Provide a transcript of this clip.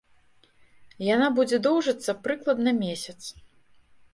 Яна будзе доўжыцца прыкладна месяц.